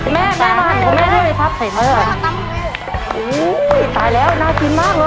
แม่แม่ของแม่ด้วยครับเสร็จแล้วเออตายแล้วน่าชิมมาก